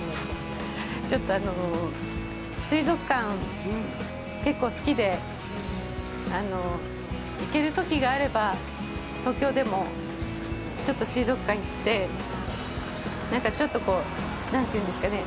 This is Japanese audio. ちょっと水族館、結構好きで行けるときがあれば、東京でもちょっと水族館行ってなんかちょっと何というんですかね。